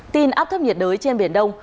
tin áp thấp nhiệt đới trên biển đông